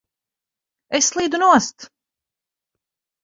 Es slīdu nost!